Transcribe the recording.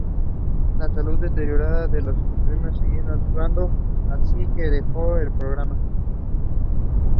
Su salud deteriorada no le permitía seguir actuando, así que dejó el programa.